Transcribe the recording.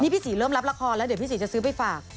นี่พี่สีเริ่มรับราคอแล้วเดี๋ยวพี่สี่จะซื้อไปฝาก